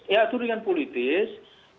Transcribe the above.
ya tudingan politis